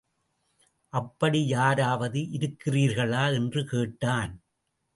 அப்படி யாராவது இருக்கிறீர்களா? என்று கேட்டான்.